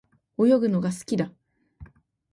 泳ぐのが好きだ。